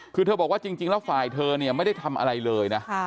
คือเธอบอกว่าจริงแล้วฝ่ายเธอเนี่ยไม่ได้ทำอะไรเลยนะ